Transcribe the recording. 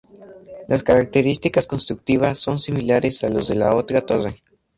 Las características constructivas son similares a los de la otra torre.